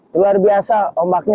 luar biasa ombaknya